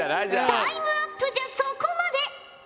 タイムアップじゃそこまで。